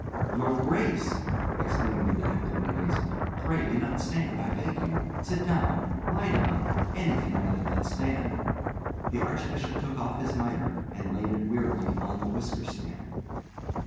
"Your Grace!" exclaimed the detective in amazement—"pray do not stand, I beg you. Sit down, lie down, anything rather than stand." The Archbishop took off his mitre and laid it wearily on the whisker stand.